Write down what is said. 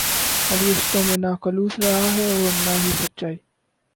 اب رشتوں میں نہ خلوص رہا ہے اور نہ ہی سچائی